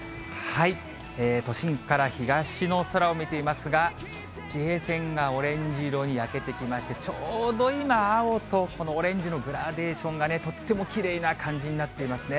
都心から東の空を見ていますが、地平線がオレンジ色に焼けてきまして、ちょうど今、青とこのオレンジのグラデーションがね、とってもきれいな感じになっていますね。